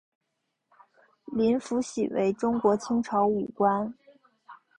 林福喜为中国清朝武官。